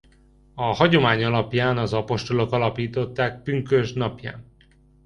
A hagyomány alapján az apostolok alapították pünkösd napján.